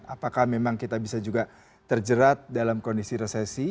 apakah memang kita bisa juga terjerat dalam kondisi resesi